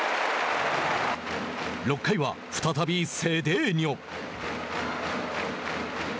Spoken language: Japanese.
６回は再びセデーニョ。